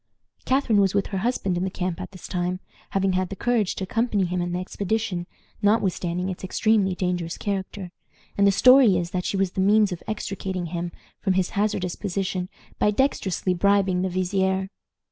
Catharine was with her husband in the camp at this time, having had the courage to accompany him in the expedition, notwithstanding its extremely dangerous character, and the story is that she was the means of extricating him from his hazardous position by dextrously bribing the vizier.